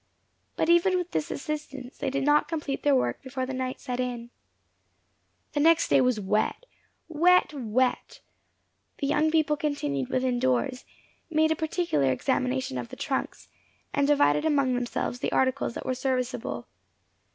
But even with this assistance they did not complete their work before the night set in. The next day was wet wet wet. The young people continued within doors, made a particular examination of the trunks, and divided among themselves the articles that were serviceable.